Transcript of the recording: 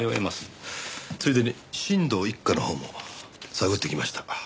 ついでに新堂一家のほうも探ってきました。